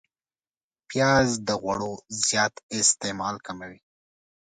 پیاز د غوړو زیات استعمال کموي